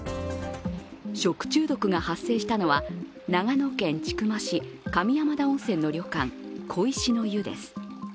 食中毒が発生したのは長野県千曲市上山田温泉の旅館、小石の湯です。